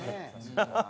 ハハハハ！